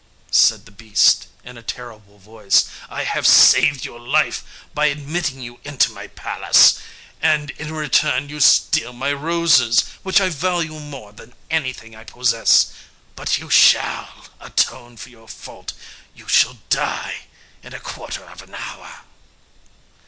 said the beast, in a terrible voice, "I have saved your life by admitting you into my palace, and in return you steal my roses, which I value more than anything I possess. But you shall atone for your fault: you shall die in a quarter of an hour."